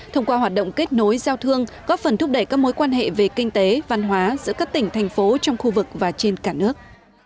thông qua hoạt động kết nối giao thương góp phần thúc đẩy các mối quan hệ về kinh tế văn hóa giữa các tỉnh thành phố trong khu vực và trên cả nước